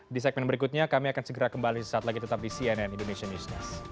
di segmen berikutnya kami akan segera kembali saat lagi tetap di cnn indonesian news